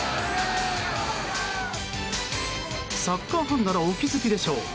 サッカーファンならお気づきでしょう。